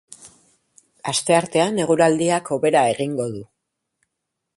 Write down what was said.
Asteartean eguraldiak hobera egingo du.